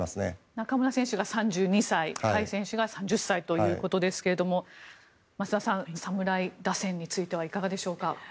中村選手が３２歳甲斐選手が３０歳ですけども増田さん、侍打線についてはいかがでしょうか。